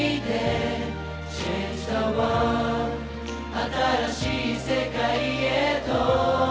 新しい世界へと」